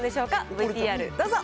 ＶＴＲどうぞ。